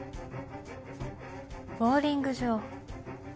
ボウリング場。